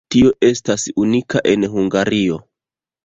Tio estas unika en Hungario.